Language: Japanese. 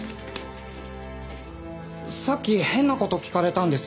さっき変な事聞かれたんです。